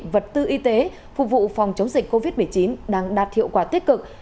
vật tư y tế phục vụ phòng chống dịch covid một mươi chín đang đạt hiệu quả tích cực